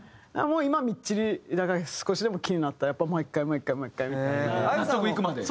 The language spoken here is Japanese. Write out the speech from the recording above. もう今はみっちりだから少しでも気になったらやっぱもう１回もう１回もう１回みたいな。